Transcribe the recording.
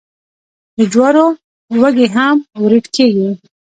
د جوارو وږي هم وریت کیږي.